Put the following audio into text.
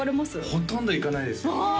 ほとんど行かないです